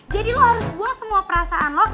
jadi lo harus buang semua perasaan lo